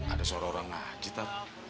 ada seorang orang ngaji ita